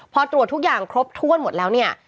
พอตรวจทุกอย่างครบถ้วนหมดแล้วเนี่ย